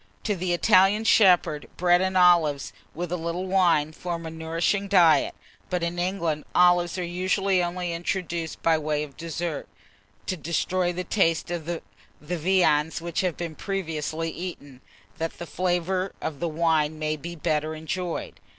To the Italian shepherd, bread and olives, with a little wine, form a nourishing diet; but in England, olives are usually only introduced by way of dessert, to destroy the taste of the viands which have been previously eaten, that the flavour of the wine may be the better enjoyed.